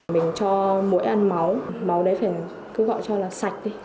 mình cho mũi ăn máu máu đấy phải cứ gọi cho là sạch đi